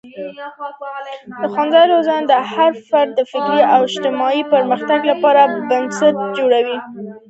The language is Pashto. د ښوونځي روزنه د هر فرد د فکري او اجتماعي پرمختګ لپاره بنسټ جوړوي.